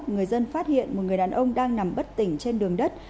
người dân phát hiện một người đàn ông đang nằm bất tỉnh trên đường đất